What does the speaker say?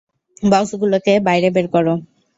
বক্সগুলোকে বাইরে বের কর।